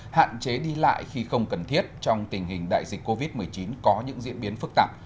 hạn chế đi lại khi không cần thiết trong tình hình đại dịch covid một mươi chín có những diễn biến phức tạp